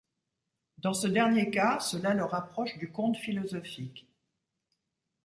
Dans ce dernier cas, cela le rapproche du conte philosophique.